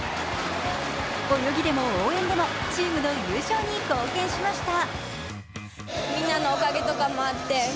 泳ぎでも応援でもチームの優勝に貢献しました。